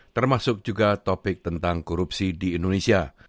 termasuk juga topik tentang korupsi di indonesia